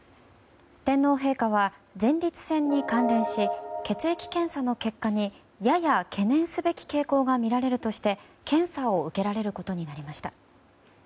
天皇陛下は、前立腺に関連し血液検査の結果にやや懸念すべき傾向が見られるとして検査を受けられることになりました。